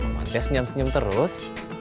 emang dia senyum senyum terus